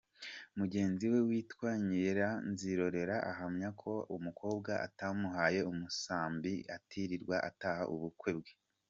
Mugenzi we witwa Nyiranzirorera ahamyaka ko umukobwa atamuhaye umusambi atirirwa ataha ubukwe bwe.